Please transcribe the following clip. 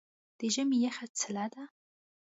د ژمي یخه څیله ده.